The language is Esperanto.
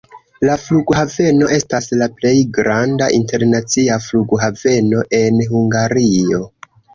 La Flughaveno estas la plej granda internacia flughaveno en Hungario.